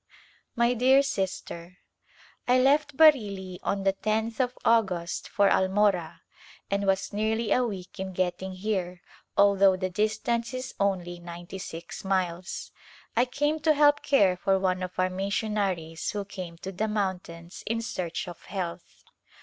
My dear Sister : I left Bareilly on the loth of August for Almora and was nearly a week in getting here although the distance is only ninety six miles. I came to help care for one of our missionaries who came to the mountains in search of health.